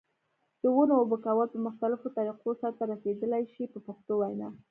د ونو اوبه کول په مختلفو طریقو سرته رسیدلای شي په پښتو وینا.